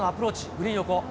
グリーン横。